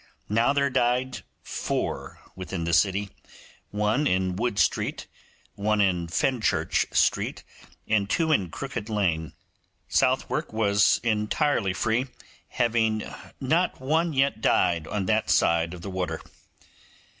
Now there died four within the city, one in Wood Street, one in Fenchurch Street, and two in Crooked Lane. Southwark was entirely free, having not one yet died on that side of the water.